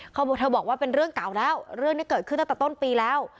เธอบอกว่าเป็นเรื่องเก่าแล้วเรื่องนี้เกิดขึ้นตั้งแต่ต้นปีแล้ว